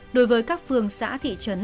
đối với các phương xã thị trấn